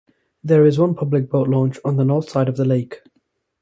There is one public boat launch on the north side of the lake.